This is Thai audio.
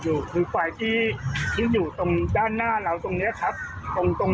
อยู่คือไฟที่ที่อยู่ตรงด้านหน้าเราตรงเนี้ยครับตรงตรง